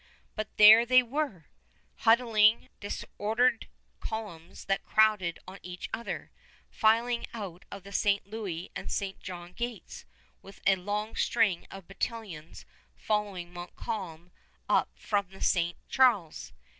But there they were, huddling, disorderly columns that crowded on each other, filing out of the St. Louis and St. John Gates, with a long string of battalions following Montcalm up from the St. Charles.